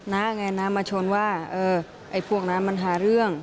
ไงน้ามาชนว่าเออไอ้พวกนั้นมันหาเรื่อง